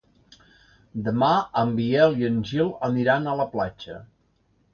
Demà en Biel i en Gil aniran a la platja.